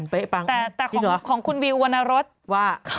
แต่ของคุณวิววนรสว่าจริงเหรอ